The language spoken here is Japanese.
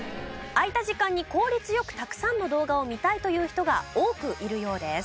空いた時間に効率良くたくさんの動画を見たいという人が多くいるようです。